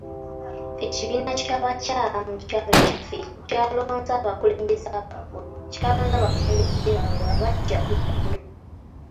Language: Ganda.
Ekibiina ky'abakyala mu kyalo kyaffe kyalonze abakulembeze baabwe abaggya eggulo.